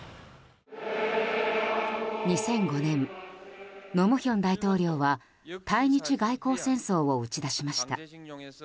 ２００５年、盧武鉉大統領は対日外交戦争を打ち出しました。